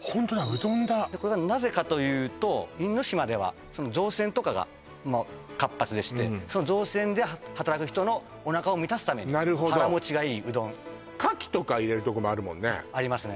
ホントだうどんだこれがなぜかというと因島では造船とかが活発でして造船で働く人のおなかを満たすために腹持ちがいいうどんありますね